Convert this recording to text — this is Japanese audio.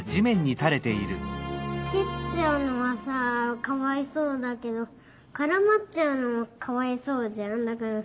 きっちゃうのはさかわいそうだけどからまっちゃうのもかわいそうじゃんだから。